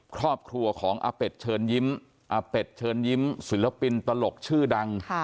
ครอบครัวของอาเป็ดเชิญยิ้มอาเป็ดเชิญยิ้มศิลปินตลกชื่อดัง